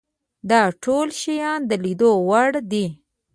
دا ټول شیان د لیدلو وړ دي.